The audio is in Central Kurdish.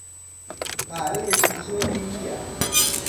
پارەیەکی زۆری نییە.